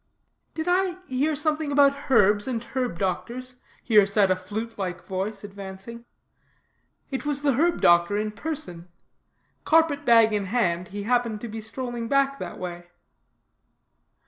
'" "Did I hear something about herbs and herb doctors?" here said a flute like voice, advancing. It was the herb doctor in person. Carpet bag in hand, he happened to be strolling back that way.